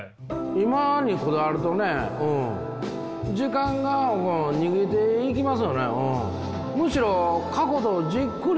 今にこだわると時間逃げていきます。